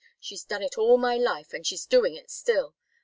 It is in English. She's done it all my life, and she's doing it still.